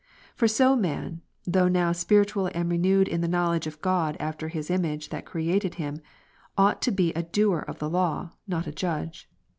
For so man, though now spiritual and renewed in the knowledge of God after His image that created him. Jam. 4, ought to be a doer of the law, not a judge.